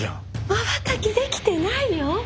まばたきできてないよ！